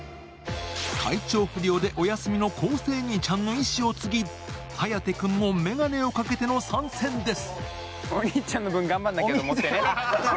体調不良でお休みの昴生兄ちゃんの意思を継ぎ颯君も眼鏡をかけての参戦です。